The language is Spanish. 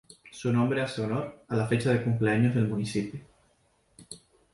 Su nombre hace honor a la fecha de cumpleaños del municipio.